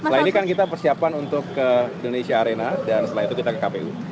nah ini kan kita persiapkan untuk ke indonesia arena dan setelah itu kita ke kpu